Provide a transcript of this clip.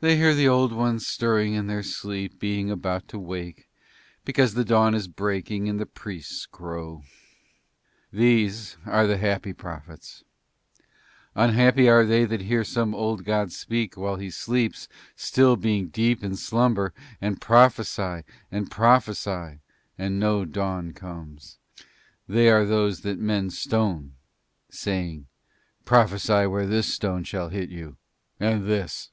"They hear the old ones stirring in their sleep being about to wake, because the dawn is breaking and the priests crow. These are the happy prophets: unhappy are they that hear some old god speak while he sleeps still being deep in slumber, and prophesy and prophesy and no dawn comes, they are those that men stone saying, 'Prophesy where this stone shall hit you, and this.'"